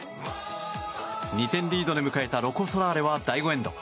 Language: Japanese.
２点リードで迎えたロコ・ソラーレは第５エンド。